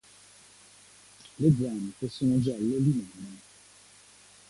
Le zampe sono giallo limone.